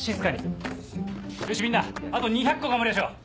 よしみんなあと２００個頑張りましょう。